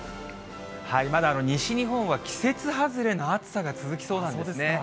まだ西日本は季節外れの暑さが続きそうなんですね。